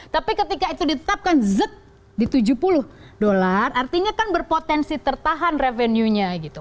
tapi ketika itu ditetapkan z di tujuh puluh dolar artinya kan berpotensi tertahan revenue nya gitu